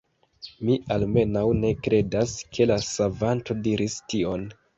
Mi, almenaŭ ne kredas ke la Savanto diris tion.